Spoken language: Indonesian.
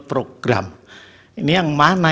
program ini yang mana